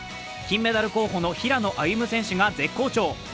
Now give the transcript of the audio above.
金メダル候補の平野歩夢選手が絶好調。